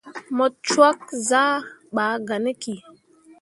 Mo cwakke zah ɓaa gah ne ki.